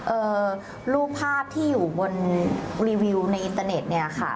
เอ่อรูปภาพที่อยู่บนรีวิวในอินเตอร์เน็ตเนี่ยค่ะ